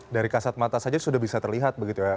dari kasat mata saja sudah bisa terlihat begitu ya